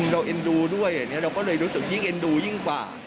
เราเอ็นดูด้วยเราก็เลยรู้สึกยิ่งเอ็นดูยิ่งกว่า